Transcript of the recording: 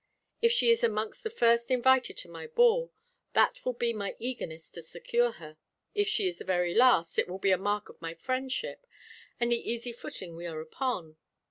If she is amongst the first invited to my ball, that will be my eagerness to secure her: if the very last, it will be a mark of my friendship, and the easy footing we are upon.